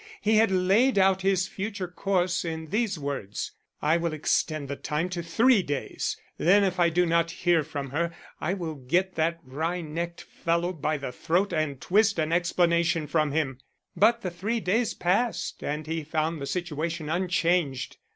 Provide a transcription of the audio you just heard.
He had laid out his future course in these words: "I will extend the time to three days; then if I do not hear from her I will get that wry necked fellow by the throat and twist an explanation from him." But the three days passed and he found the situation unchanged.